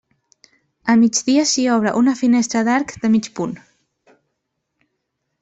A migdia s'hi obre una finestra d'arc de mig punt.